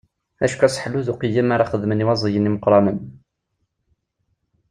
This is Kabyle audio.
Acku aselḥu d uqeyyem ara xedmen waẓiyen imeqqranen.